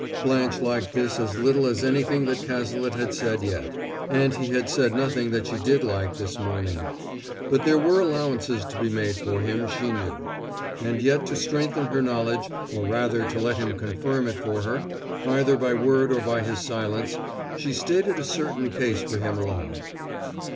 Blanche liked this as little as anything that Cazalet had said yet, and he had said nothing that she did like this morning. But there were allowances to be made for him, she knew. And yet to strengthen her knowledge, or rather to let him confirm it for her, either by word or by his silence, she stated a certain case for him aloud.